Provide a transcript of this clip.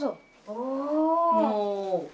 おお！